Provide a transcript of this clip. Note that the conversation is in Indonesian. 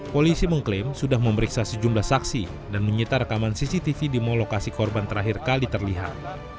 polisi mengklaim sudah memeriksa sejumlah saksi dan menyita rekaman cctv di mal lokasi korban terakhir kali terlihat